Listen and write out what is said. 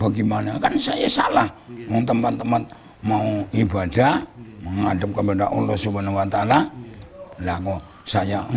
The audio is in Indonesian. bagaimana kan saya salah tempat tempat mau ibadah menghadap kepada allah subhanahu wa ta ala laku saya